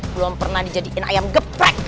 belum pernah dijadikan ayam geprek